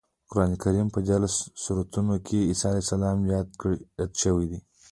د قرانکریم په دیارلس سورتونو کې عیسی علیه السلام یاد شوی دی.